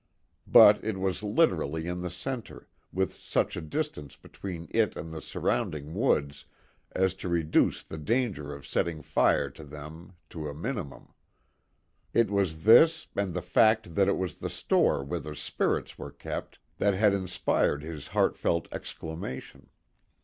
But it was literally in the centre, with such a distance between it and the surrounding woods as to reduce the danger of setting fire to them to a minimum. It was this, and the fact that it was the store where the spirits were kept, that had inspired his heartfelt exclamation.